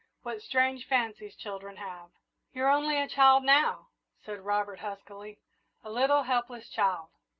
What strange fancies children have!" "You're only a child now," said Robert, huskily, "a little, helpless child."